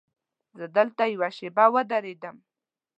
زه دلته یوه شېبه ودرېدم.